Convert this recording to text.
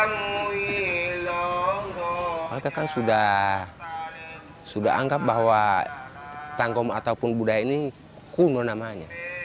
mereka kan sudah anggap bahwa tangkom ataupun budaya ini kuno namanya